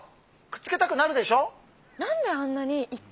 くっつけたくなるでしょ？